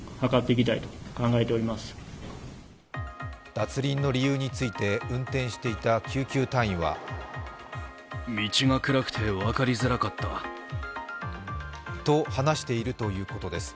脱輪の理由について運転していた救急隊員はと話しているということです。